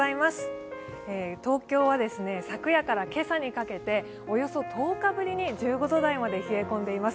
東京は昨夜から今朝にかけておよそ１０日ぶりに１５度台まで冷え込んでいます。